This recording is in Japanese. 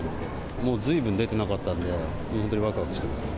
もうずいぶん出てなかったんで、本当にわくわくしてますね。